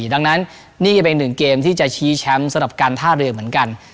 ดังนั้นนี่ก็เป็นหนึ่งเกมที่จะชี้แชมป์สำหรับการท่าเรือเหมือนกัน